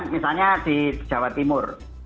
misalnya di jawa timur